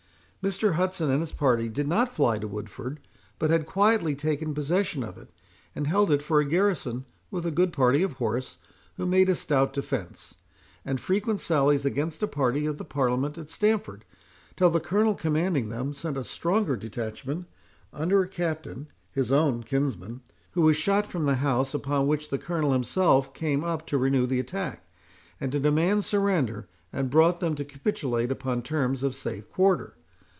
"Mr. Hudson and his party did not fly to Woodford, but had quietly taken possession of it, and held it for a garrison, with a good party of horse, who made a stout defence, and frequent sallies, against a party of the Parliament at Stamford, till the colonel commanding them sent a stronger detachment, under a captain, his own kinsman, who was shot from the house, upon which the colonel himself came up to renew the attack, and to demand surrender, and brought them to capitulate upon terms of safe quarter.